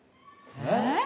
えっ？